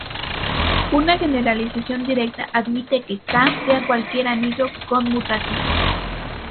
Una generalización directa admite que "K" sea cualquier anillo conmutativo.